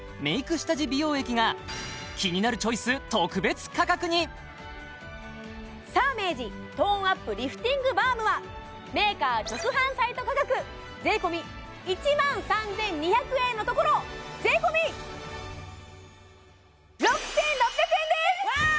下地美容液が「キニナルチョイス」サーメージトーンアップリフティングバームはメーカー直販サイト価格税込１万３２００円のところ税込６６００円ですわ！